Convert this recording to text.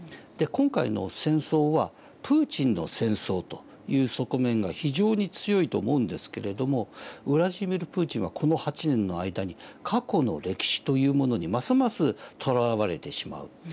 で今回の戦争はプーチンの戦争という側面が非常に強いと思うんですけれどもウラジーミル・プーチンはこの８年の間に過去の歴史というものにますますとらわれてしまう。